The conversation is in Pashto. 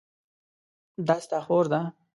دا ستا خور ده؟